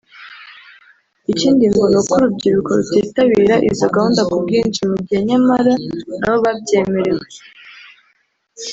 Ikindi ngo ni uko urubyiruko rutitabira izo gahunda ku bwinshi mu gihe nyamara na bo babyemerewe